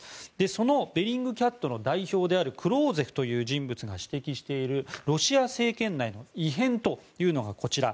そのベリングキャットの代表でグローゼフという人物が指摘しているロシア政権内の異変というのがこちら。